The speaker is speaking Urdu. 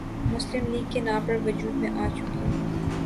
مسلم لیگ کے نام پر وجود میں آ چکی